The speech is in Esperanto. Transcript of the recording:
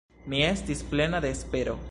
Mi estis plena de espero.